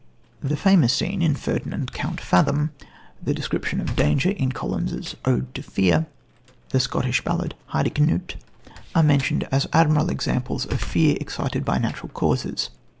The famous scene in Ferdinand, Count Fathom, the description of Danger in Collins' Ode to Fear, the Scottish ballad of Hardyknute are mentioned as admirable examples of the fear excited by natural causes.